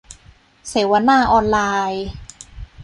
เสวนาออนไลน์